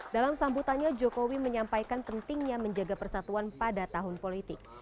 dalam sambutannya jokowi menyampaikan pentingnya menjaga persatuan pada tahun politik